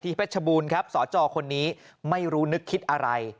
เพชรบูรณ์ครับสจคนนี้ไม่รู้นึกคิดอะไร